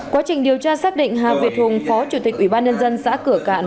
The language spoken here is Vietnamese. quá trình điều tra xác định hà việt hùng phó chủ tịch ủy ban nhân dân xã cửa cạn